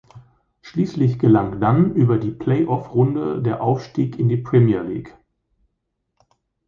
Schließlich gelang dann über die Play-Off-Runde der Aufstieg in die Premier League.